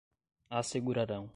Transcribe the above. assegurarão